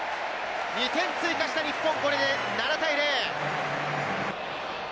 ２点追加した日本、これで７対０。